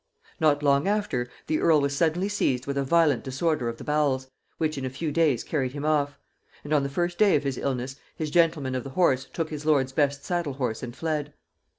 Not long after, the earl was suddenly seized with a violent disorder of the bowels, which in a few days carried him off; and on the first day of his illness, his gentleman of the horse took his lord's best saddle horse and fled.